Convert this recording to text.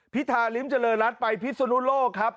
พิธาลิมเจริรัติไปพิศนุโลกครับ